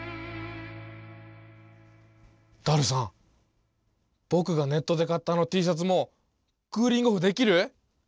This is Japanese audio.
ダルさんぼくがネットで買ったあのＴシャツもクーリングオフできる？